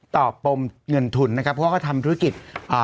ต่อปมเงินทุนนะครับเพราะว่าก็ทำธุรกิจ